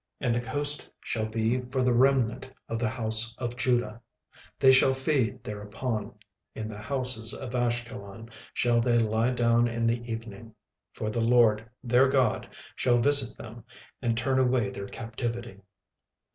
36:002:007 And the coast shall be for the remnant of the house of Judah; they shall feed thereupon: in the houses of Ashkelon shall they lie down in the evening: for the LORD their God shall visit them, and turn away their captivity.